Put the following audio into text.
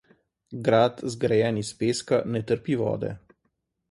Grad, zgrajen iz peska, ne trpi vode.